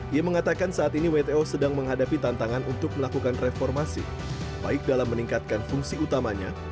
ia mengatakan saat ini wto sedang menghadapi tantangan untuk melakukan reformasi baik dalam meningkatkan fungsi utamanya